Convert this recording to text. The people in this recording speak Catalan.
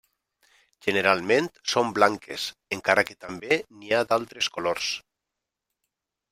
Generalment són blanques, encara que també n'hi ha d'altres colors.